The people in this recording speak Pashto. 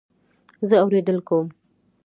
زه اورېدل کوم